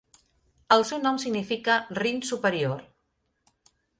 El seu nom significa "Rin Superior".